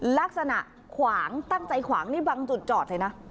ลักษณะขวางตั้งใจขวางนี่บางจุดจอดเลยนะ